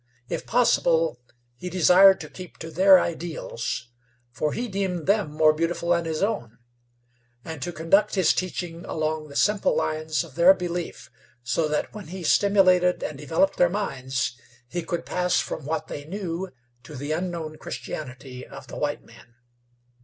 If possible, he desired to keep to their ideals for he deemed them more beautiful than his own and to conduct his teaching along the simple lines of their belief, so that when he stimulated and developed their minds he could pass from what they knew to the unknown Christianity of the white man.